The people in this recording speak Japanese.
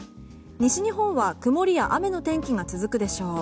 西日本は曇りや雨の天気が続くでしょう。